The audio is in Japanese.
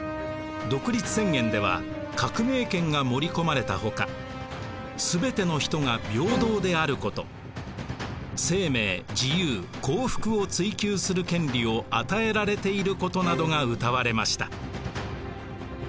独立宣言では革命権が盛り込まれたほかすべての人が平等であること生命・自由・幸福を追求する権利を与えられていることなどがうたわれました。